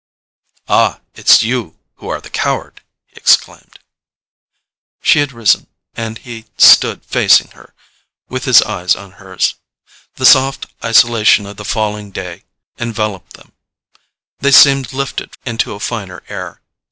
"Ah, it's you who are the coward!" he exclaimed. She had risen, and he stood facing her with his eyes on hers. The soft isolation of the falling day enveloped them: they seemed lifted into a finer air.